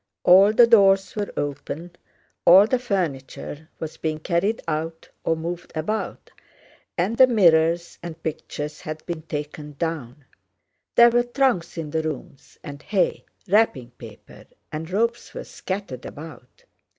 All the doors were open, all the furniture was being carried out or moved about, and the mirrors and pictures had been taken down. There were trunks in the rooms, and hay, wrapping paper, and ropes were scattered about.